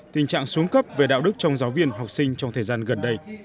tình trạng xuống cấp về đạo đức trong giáo viên học sinh trong thời gian gần đây